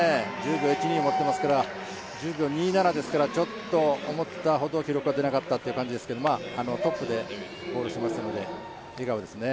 １０秒１２を持っていますから、１０秒２７ですから、ちょっと思ったほど記録が出なかったという感じですから、トップでゴールしましたので笑顔ですね。